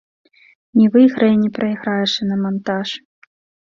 Не выйграе і не прайграе шынамантаж.